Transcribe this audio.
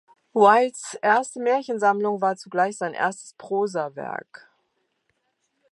Wildes erste Märchensammlung war zugleich sein erstes Prosawerk.